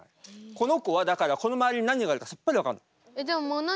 この子はだからこの周りに何があるかさっぱり分からない。